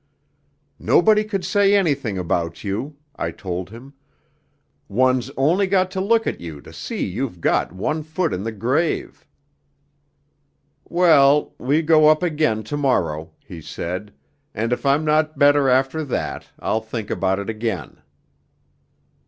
'Nobody could say anything about you,' I told him; 'one's only got to look at you to see that you've got one foot in the grave.' 'Well, we go up again to morrow,' he said, 'and if I'm not better after that, I'll think about it again.'